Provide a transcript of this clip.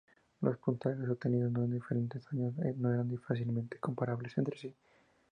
Los puntajes obtenidos en diferentes años no eran fácilmente comparables entre sí.